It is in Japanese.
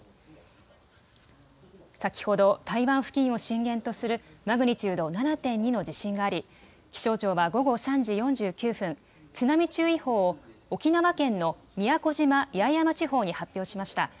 先ほど台湾付近を震源とするマグニチュード７．２の地震があり気象庁は午後３時４９分、津波注意報を沖縄県の宮古島・八重山地方に発表しました。